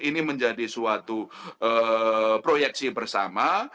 ini menjadi suatu proyeksi bersama